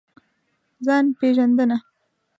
ځان پېژندنه.